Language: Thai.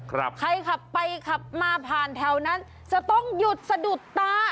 ใครขับไปขับมาผ่านแถวนั้นจะต้องหยุดสะดุดตา